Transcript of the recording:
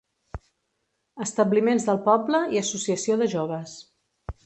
Establiments del poble i Associació de joves.